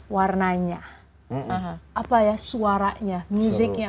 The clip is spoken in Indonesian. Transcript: warnanya suaranya musicnya